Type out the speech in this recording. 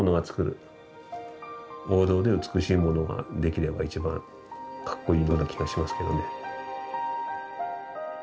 王道で美しいものができれば一番かっこいいような気がしますけどね。